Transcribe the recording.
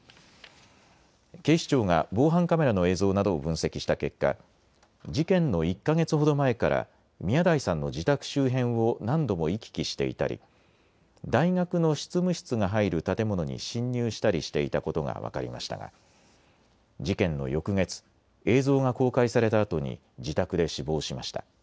警視庁が防犯カメラの映像などを分析した結果、事件の１か月ほど前から宮台さんの自宅周辺を何度も行き来していたり大学の執務室が入る建物に侵入したりしていたことが分かりましたが事件の翌月、映像が公開されたあとに自宅で死亡しました。